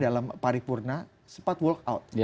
dalam pari purna sempat walk out